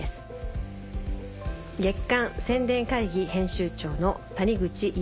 月刊『宣伝会議』編集長の。